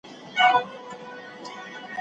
کوربه هیواد سوداګریزه هوکړه نه لغوه کوي.